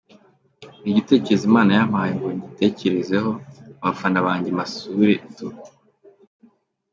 Ni igitekerezo Imana yampaye ngo ngitekerezeho, abafana banjye mbasure tu.